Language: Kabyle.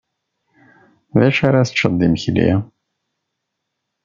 D acu ara teččeḍ d imekli?